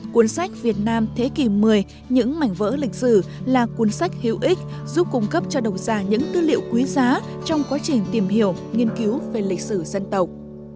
cuốn sách việt nam thế kỷ một mươi những mảnh vỡ lịch sử là cuốn sách hữu ích giúp cung cấp cho độc giả những tư liệu quý giá trong quá trình tìm hiểu nghiên cứu về lịch sử dân tộc